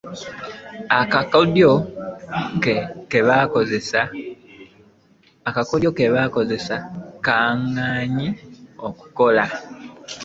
Akakodyo ke bakozesezza kaagaanyi okukola.